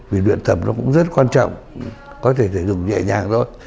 vì luyện tập nó cũng rất quan trọng có thể phải dùng nhẹ nhàng thôi